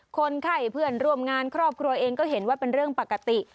คนไข้เพื่อนร่วมงานครอบครัวเองก็เห็นว่าเป็นเรื่องปกติ